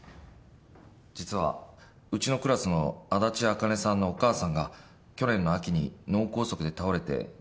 実はうちのクラスの足立茜さんのお母さんが去年の秋に脳梗塞で倒れて入院していたそうなんです。